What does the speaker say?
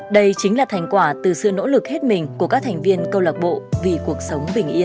đây chính là thành quả từ sự nỗ lực hết mình của các thành viên câu lạc bộ vì cuộc sống bình yên